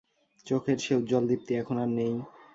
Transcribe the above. চোখের সে উজ্জ্বল দীপ্তি এখন আর নেই।